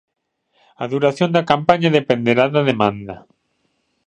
A duración da campaña dependerá da demanda.